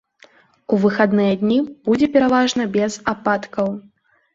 У выхадныя дні будзе пераважна без ападкаў.